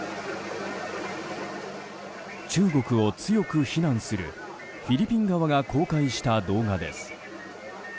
中国を強く非難するフィリピン側が公開した動画です。